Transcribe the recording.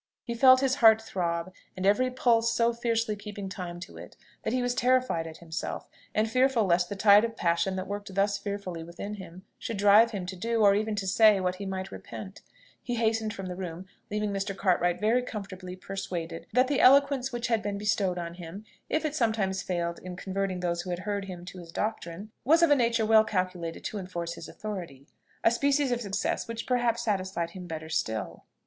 He felt his heart throb, and every pulse so fiercely keeping time to it, that he was terrified at himself, and fearful lest the tide of passion that worked thus fearfully within him should drive him to do, or even to say what he might repent, he hastened from the room, leaving Mr. Cartwright very comfortably persuaded that the eloquence which had been bestowed on him, if it sometimes failed in converting those who heard him to his doctrine, was of a nature well calculated to enforce his authority; a species of success which perhaps satisfied him better still.